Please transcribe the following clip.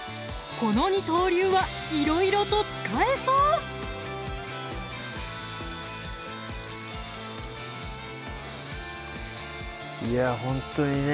この二刀流はいろいろと使えそういやほんとにね